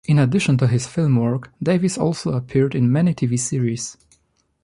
In addition to his film work, Davis also appeared in many TV series.